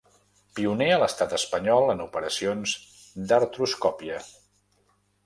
Pioner a l'Estat Espanyol en operacions d'artroscòpia.